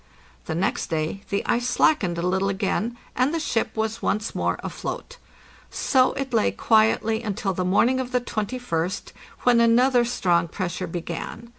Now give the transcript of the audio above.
The next day the ice slackened a little again, and the ship was once more afloat. So it lay quietly until the morning of the 21st, when another strong pressure began.